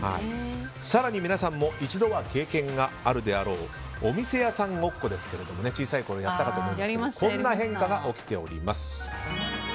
更に皆さんも一度は経験があるであろうお店屋さんごっこですが小さいころやったかと思いますがこんな変化が起きております。